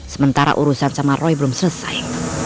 sementara urusan sama roy belum selesai